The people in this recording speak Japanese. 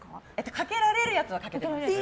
かけられるやつはかけてます。